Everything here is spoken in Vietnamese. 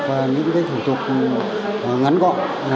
và những cái thủ tục ngắn gọn